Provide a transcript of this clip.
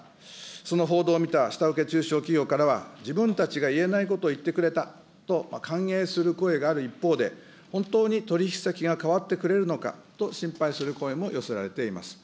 その報道を見た下請け中小企業からは、自分たちが言えないことを言ってくれたと、歓迎する声がある一方で、本当に取り引き先が変わってくれるのかと心配する声も寄せられています。